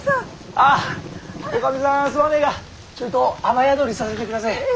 ああ女将さんすまねえがちょいと雨宿りさせてくだせえ。